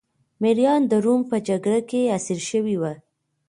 مریان د روم په جګړه کې اسیر شوي وو